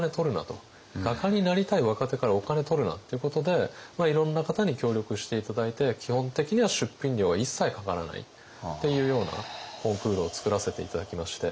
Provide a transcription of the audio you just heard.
画家になりたい若手からお金取るなっていうことでいろんな方に協力して頂いて基本的には出品料は一切かからないっていうようなコンクールをつくらせて頂きまして。